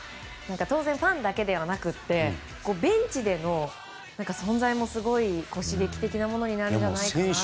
当然ファンだけではなくてベンチでの存在もすごい刺激的なものになるんじゃないかなと。